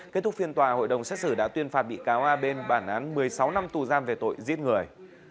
kết thúc phiên tòa hội đồng xét xử đã tuyên phạt bị cáo a bên bản án một mươi sáu năm tù giam về tội giết người